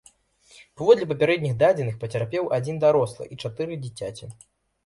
Паводле папярэдніх дадзеных, пацярпеў адзін дарослы і чатыры дзіцяці.